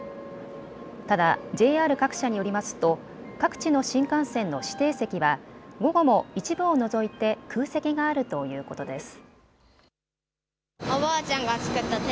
ただＪＲ各社によりますと各地の新幹線の指定席は午後も一部を除いて空席があるということです。